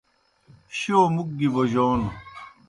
شو مُک گیُ بوجون